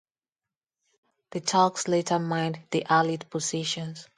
The Turks later mined the Allied positions.